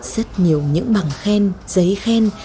rất nhiều những bằng khen giấy khen